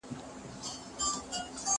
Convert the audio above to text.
زه اجازه لرم چي ښوونځی ته لاړ شم؟!